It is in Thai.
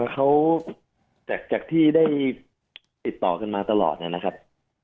เขาจากที่ได้ติดต่อกันมาตลอดนะครับ